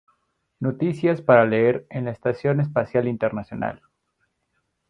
Noticias para leer en la Estación Espacial Internacional".